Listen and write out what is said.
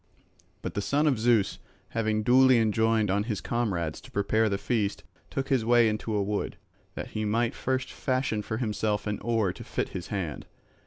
But the son of Zeus having duly enjoined on his comrades to prepare the feast took his way into a wood, that he might first fashion for himself an oar to fit his hand.